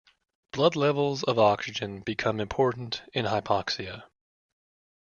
Blood levels of oxygen become important in hypoxia.